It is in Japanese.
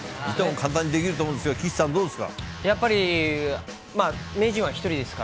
簡単にできると思うんですが、岸さん、どうですか。